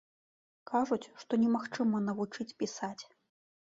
Кажуць, што немагчыма навучыць пісаць.